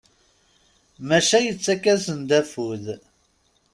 Maca yettak-asen-d afud.